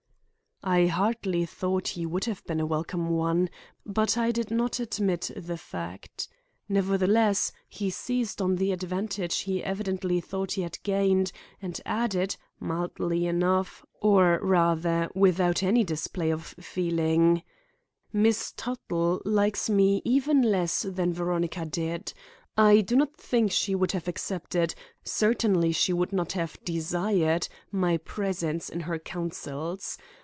I hardly thought he would have been a welcome one, but I did not admit the fact. Nevertheless he seized on the advantage he evidently thought he had gained and added, mildly enough, or rather without any display of feeling: "Miss Tuttle likes me even less than Veronica did. I do not think she would have accepted, certainly she would not have desired, my presence in her counsels.